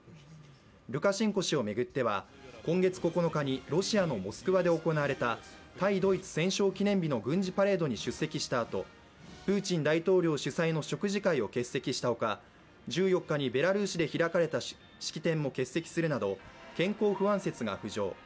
ルカシェンコ氏を巡っては今月９日にロシアのモスクワで行われた対ドイツ戦勝記念日の軍事パレードに出席したあと、プーチン大統領主催の食事会を欠席したほか１４日にベラルーシで開かれた式典も欠席するなど健康不安説が浮上。